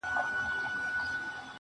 o سم وارخطا.